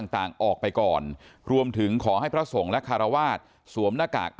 ต่างออกไปก่อนรวมถึงขอให้พระสงฆ์และคารวาสสวมหน้ากาก